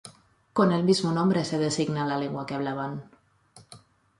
Con el mismo nombre se designa la lengua que hablaban.